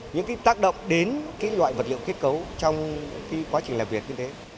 những tác động đến loại vật liệu kết cấu trong quá trình làm việc như thế